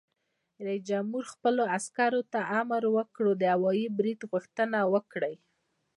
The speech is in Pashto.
رئیس جمهور خپلو عسکرو ته امر وکړ؛ د هوايي برید غوښتنه وکړئ!